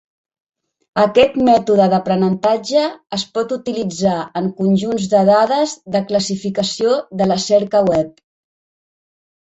Aquest mètode d'aprenentatge es pot utilitzar en conjunts de dades de classificació de la cerca web.